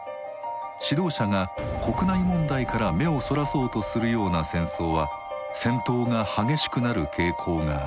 指導者が国内問題から目をそらそうとするような戦争は戦闘が激しくなる傾向がある。